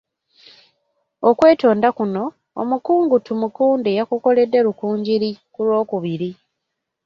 Okwetonda kuno, omukungu Tumukunde, yakukoledde Rukungiri ku Lwokubiri .